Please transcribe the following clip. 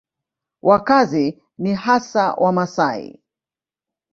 Wakazi ni hasa Wamasai.